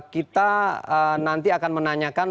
kita nanti akan menanyakan